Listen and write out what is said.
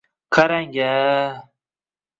Qarang-a!